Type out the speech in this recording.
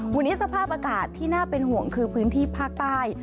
วันนี้สภาพอากาศที่น่าเป็นห่วงคือพื้นที่ภาคใต้